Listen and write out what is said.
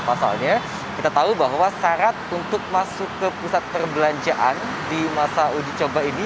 pasalnya kita tahu bahwa syarat untuk masuk ke pusat perbelanjaan di masa uji coba ini